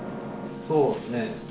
そうですね。